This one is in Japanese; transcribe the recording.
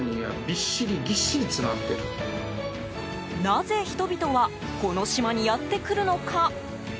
なぜ、人々はこの島にやって来るのか。